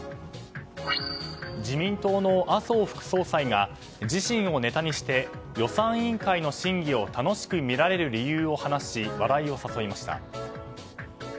自民党の麻生副総裁が自身をネタにして予算委員会の審議を楽しく見られる理由を話し笑いを誘いました。